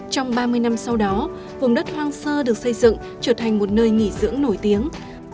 trong ba mươi năm sau đó vùng đất hoang sơ được xây dựng trở thành một nơi nghỉ dưỡng nổi tiếng